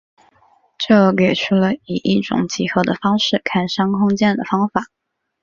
这给出了以一种几何的方式看商空间的方法。